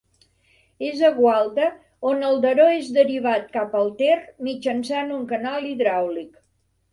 És a Gualta on el Daró és derivat cap al Ter mitjançant un canal hidràulic.